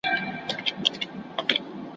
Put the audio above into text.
کله کښته کله پورته کله شاته `